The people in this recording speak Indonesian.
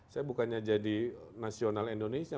saya bukannya jadi nasional indonesia